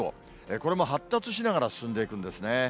これも発達しながら進んでいくんですね。